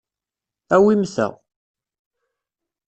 Awim ta.